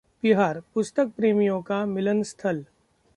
बिहार: पुस्तक प्रेमियों का मिलन स्थल